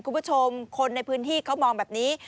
คุณผู้ชมคนในพื้นที่เขามองแบบนี้